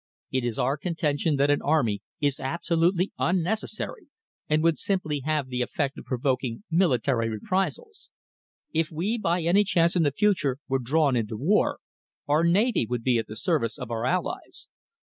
It is our contention that an army is absolutely unnecessary and would simply have the effect of provoking military reprisals. If we, by any chance in the future, were drawn into war, our navy would be at the service of our allies.